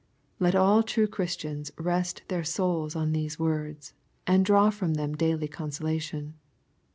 Let all true Christians rest their souls on these words, and draw firom them daily consolation.